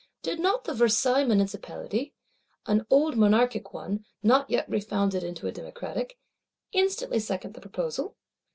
Did not the Versailles Municipality (an old Monarchic one, not yet refounded into a Democratic) instantly second the proposal?